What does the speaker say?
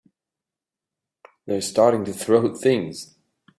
They're starting to throw things!